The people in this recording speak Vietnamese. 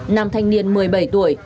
nam thanh niên một mươi bảy tuổi